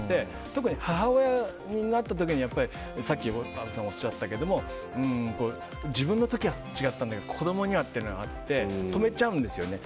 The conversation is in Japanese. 特に母親になった時はやっぱり、さっき虻川さんがおっしゃったけど自分の時は違ったんだけど子供にはっていうのがあって止めちゃうんですよね。